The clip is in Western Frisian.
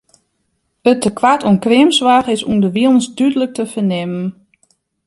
It tekoart oan kreamsoarch is ûnderwilens dúdlik te fernimmen.